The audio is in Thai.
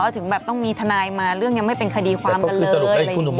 ถึงแบบต้องมีทนายมาเรื่องยังไม่เป็นคดีความกันเลยอะไรอย่างนี้